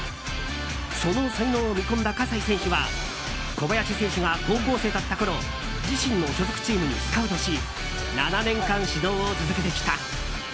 その才能を見込んだ葛西選手は小林選手が高校生だったころ自身の所属チームにスカウトし７年間、指導を続けてきた。